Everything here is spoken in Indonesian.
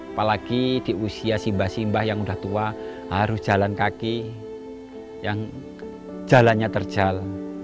apalagi di usia simbah simbah yang udah tua harus jalan kaki yang jalannya terjal